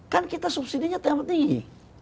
kan kita subsidi nya terlalu tinggi